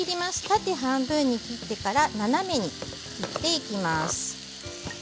縦半分に切ってから斜めに切っていきます。